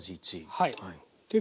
はい。